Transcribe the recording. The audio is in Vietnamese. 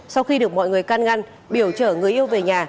sau khi được mọi người can ngăn biểu chở người yêu về nhà